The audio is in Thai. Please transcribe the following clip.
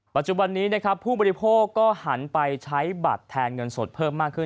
ปัจจุบันนี้นะครับผู้บริโภคก็หันไปใช้บัตรแทนเงินสดเพิ่มมากขึ้น